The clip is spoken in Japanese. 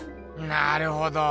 なるほど。